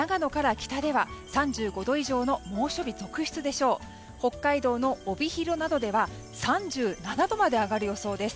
北海道の帯広などでは３７度まで上がる予想です。